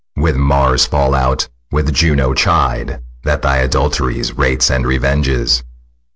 With Mars fall out, with Juno chide, That thy adulteries Rates and revenges.